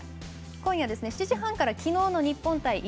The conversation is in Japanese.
今夜７時半からきのうの日本対